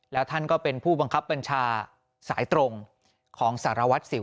แล้วท่านก็เป็นผู้บังคับบัญชาสายตรงของสารวัตรสิว